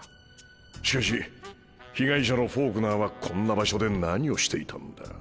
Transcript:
しかし被害者のフォークナーはこんな場所で何をしていたんだ？